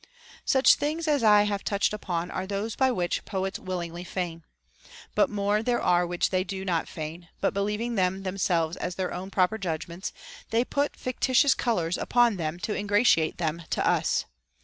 { Such things as I have touched upon are those which the poets willingly feign. But more there are which they do not feign, but believing them themselves as their own proper judgments, they put fictitious colors upon them to ingratiate them to us.